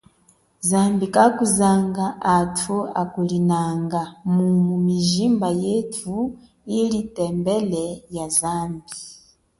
Zambi kakuzanga hatu akulinanga mumu mijimba yetu ili tembele yenyi.